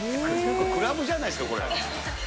クラブじゃないですか、これ。